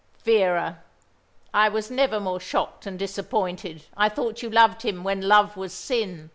"Vera, I was never more shocked and disappointed. I thought you loved him when love was sin.